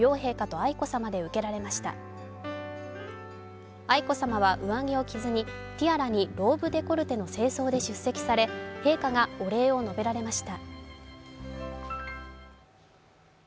愛子さまは上着を着ずにティアラにローブデコルテの正装で出席され陛下がお礼を述べられました。